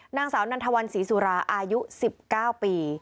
นางสาวนันทวันศรีสุราอายุ๑๙ปี